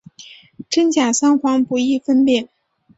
真假桑黄不易分辨。